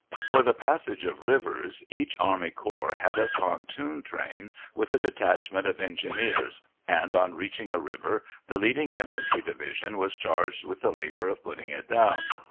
For the passage of rivers, each army corps had a pontoon train with a detachment of engineers, and, on reaching a river, the leading infantry division was charged with the labor of putting it down.